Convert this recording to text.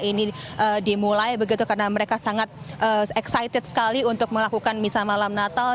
ini dimulai begitu karena mereka sangat excited sekali untuk melakukan misa malam natal